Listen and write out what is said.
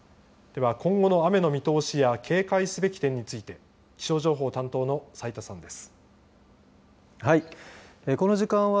では、今後の雨の見通しや警戒すべき点について気象情報担当の斉田さんです。